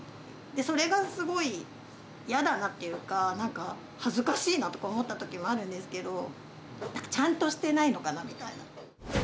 それがすごいやだなっていうか、なんか恥ずかしいなとか思ったときはあるんですけど、ちゃんとしてないのかなみたいな。